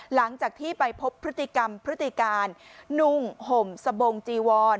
หลังจากที่ไปพบพฤติกรรมพฤติการนุ่งห่มสบงจีวร